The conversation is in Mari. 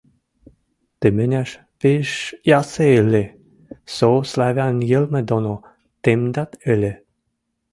Тыменяш пиш ясы ыльы, со славян йӹлмы доно тымдат ыльы.